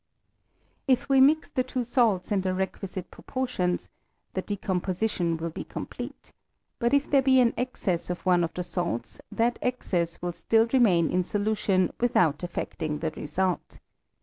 If we mix the two salts in the requisite proportions, the decomposition will be complete ; but if there be an excess of one of the salts, that excess will still remain in solution without affecting the result.